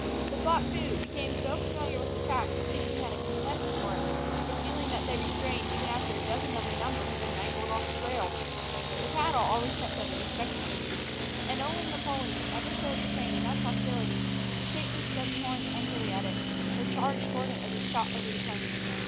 The flock, too, became so familiar with the track that they soon had a contempt for it, a feeling that they retained even after a dozen of their number had been mangled on its rails; but the cattle always kept it at a respectful distance, and only Napoleon ever showed the train enough hostility to shake his stubby horns angrily at it or charge toward it as it shot away over the plains.